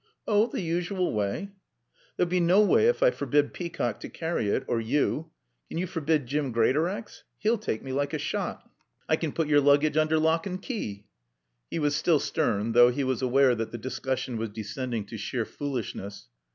"Oh the usual way." "There'll be no way if I forbid Peacock to carry it or you." "Can you forbid Jim Greatorex? He'll take me like a shot." "I can put your luggage under lock and key." He was still stern, though, he was aware that the discussion was descending to sheer foolishness.